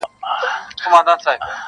څو به لا په پټه له هینداري څخه سوال کوو -